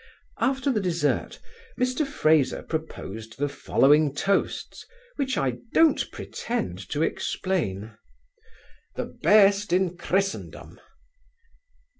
After the desert, Mr Fraser proposed the following toasts, which I don't pretend to explain. 'The best in Christendom.